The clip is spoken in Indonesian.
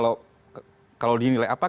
debat kemarin soal hak asasi manusia